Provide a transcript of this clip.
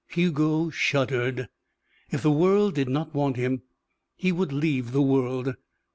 Hugo shuddered. If the world did not want him, he would leave the world.